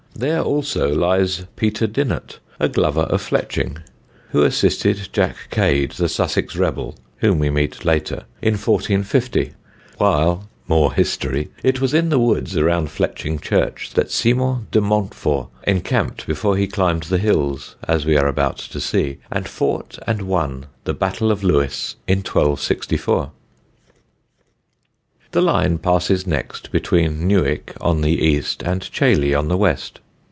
There also lies Peter Dynot, a glover of Fletching, who assisted Jack Cade, the Sussex rebel, whom we meet later, in 1450; while (more history) it was in the woods around Fletching church that Simon de Montfort encamped before he climbed the hills, as we are about to see, and fought and won the Battle of Lewes, in 1264. The line passes next between Newick, on the east, and Chailey on the west.